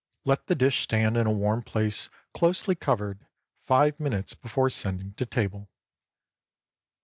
Let the dish stand in a warm place, closely covered, five minutes before sending to table.